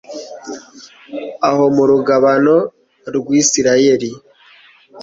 aho mu rugabano rw'isirayeli